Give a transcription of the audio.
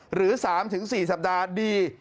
หรือ๓๔สัปดาห์ดี